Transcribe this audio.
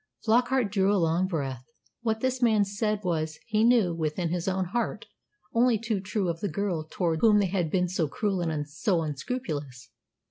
Flockart drew a long breath. What this man said was, he knew within his own heart, only too true of the girl towards whom they had been so cruel and so unscrupulous.